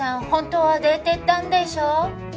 本当は出てったんでしょ？